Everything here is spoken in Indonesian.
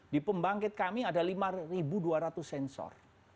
di pembangkit kami ada lima dua ratus sensor